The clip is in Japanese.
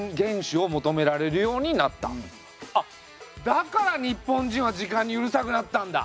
だから日本人は時間にうるさくなったんだ！